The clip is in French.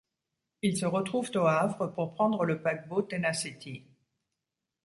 Ils se retrouvent au Havre pour prendre le paquebot Tenacity.